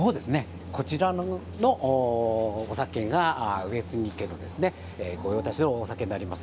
こちらのお酒が上杉家御用達のお酒になります。